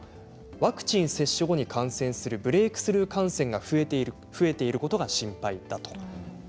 ワクチン接種後に感染するブレークスルー感染が増えていることが心配。